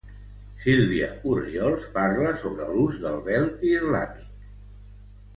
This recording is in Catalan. Sílvia Orriols parla sobre l'ús del vel islàmic.